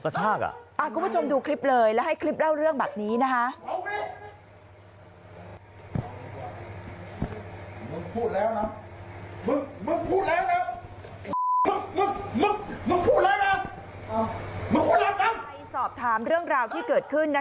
ถึงใครสอบถามเรื่องราวที่เกิดขึ้น